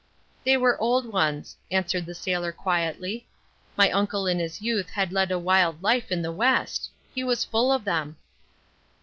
"They were old ones," answered the sailor quietly. "My uncle in his youth had led a wild life in the west; he was full of them."